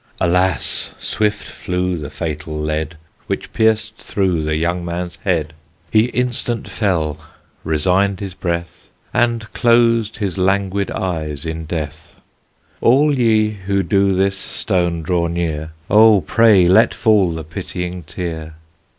Alas! swift flew the fatal lead Which pierced through the young man's head, He instant fell, resigned his breath, And closed his languid eyes in death. All ye who do this stone draw near, Oh! pray let fall the pitying tear.